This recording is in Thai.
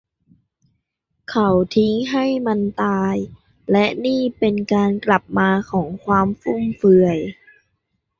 เขาทิ้งให้มันตาย และนี่เป็นการกลับมาของความฟุ่มเฟือย